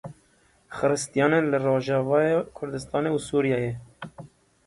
Xiristiyanên li Rojavayê Kurdistanê û Sûriyeyê.